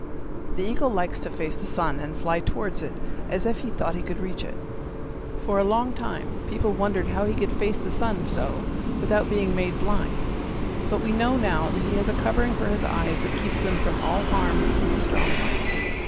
The eagle likes to face the sun and fly towards it as if he thought he could reach it. For a long time people wondered how he could face the sun so without being made blind. But we know now that he has a covering for his eyes that keeps them from all harm from the strong light.